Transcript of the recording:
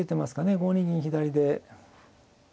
５二銀左で。